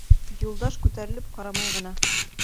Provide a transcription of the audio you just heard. Юлдаш күтәрелеп ҡарамай ғына.